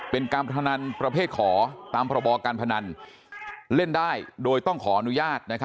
เป็นการพนันประเภทขอตามพรบการพนันเล่นได้โดยต้องขออนุญาต